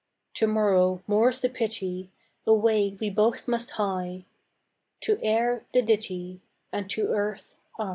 To morrow, more's the pity, Away we both must hie, To air the ditty, And to earth I.